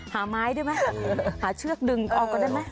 หาไม้ด้วยมั้ยหาเชือกดึงเอาก็ได้มั้ย